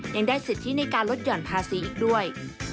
ยังได้สิทธิในการลดหย่อนภาษีอีกด้วย